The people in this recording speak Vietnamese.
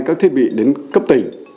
các thiết bị đến cấp tỉnh